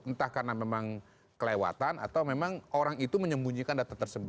entah karena memang kelewatan atau memang orang itu menyembunyikan data tersebut